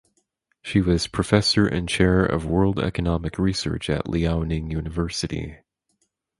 She was professor and Chair of World Economic Research at Liaoning University.